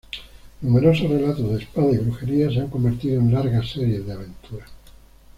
Numerosos relatos de espada y brujería se han convertido en largas series de aventuras.